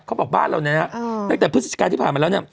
เขาบอกบ้านเราตั้งแต่พฤศจิกายที่ผ่านมาแล้ว